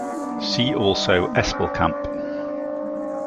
See also Espelkamp.